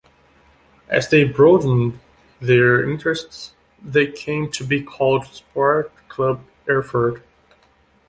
As they broadened their interests they came to be called "Sport Club Erfurt".